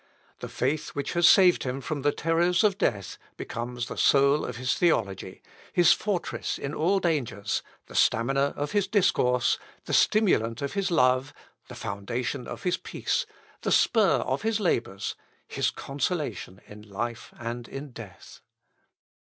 The faith which has saved him from the terrors of death becomes the soul of his theology, his fortress in all dangers, the stamina of his discourse, the stimulant of his love, the foundation of his peace, the spur of his labours, his consolation in life and in death.